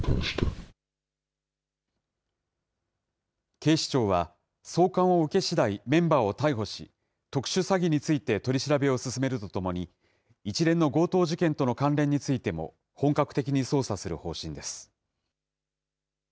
警視庁は、送還を受けしだい、メンバーを逮捕し、特殊詐欺について取り調べを進めるとともに、一連の強盗事件との関連についても、本格的に捜査する方針です。